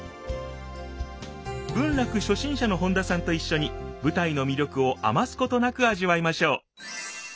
文楽初心者の本田さんと一緒に舞台の魅力を余すことなく味わいましょう！